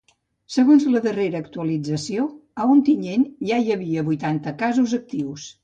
Segons la darrera actualització, a Ontinyent ja hi havia vuitanta casos actius.